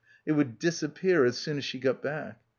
It would disappear as soon as she got back.